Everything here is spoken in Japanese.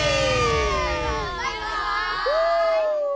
バイバーイ！